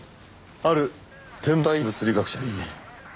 ある天体物理学者に。